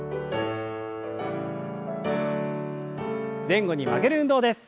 前後に曲げる運動です。